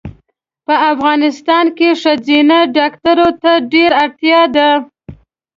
په افغانستان کې ښځېنه ډاکټرو ته ډېره اړتیا ده